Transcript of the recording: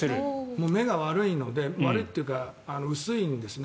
目が悪いので悪いというか薄いんですね